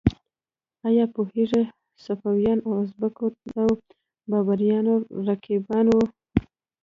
ایا پوهیږئ صفویان د ازبکو او بابریانو رقیبان وو؟